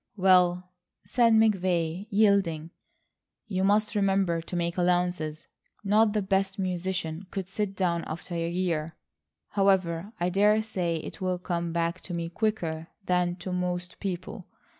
"Well," said McVay yielding, "you must remember to make allowances. Not the best musician could sit down after a year ... however, I dare say it will come back to me quicker than to most people.